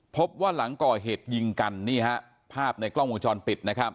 พบว่าหลังก่อเหตุหญิงกันภาพในกล้องโมงจรปิด